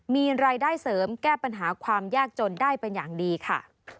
มีรายได้เสริมแก้ปัญหาความยากจนได้เป็นอย่างดีค่ะ